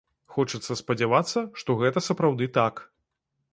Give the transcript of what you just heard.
Хочацца спадзявацца, што гэта сапраўды так.